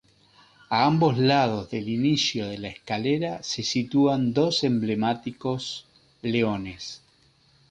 A ambos lados del inicio de la escalera se sitúan dos emblemáticos leones.